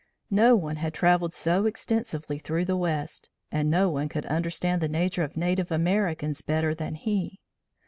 No one had travelled so extensively through the west, and no one could understand the nature of native Americans better than he.